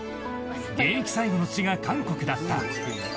現役最後の地が韓国だった。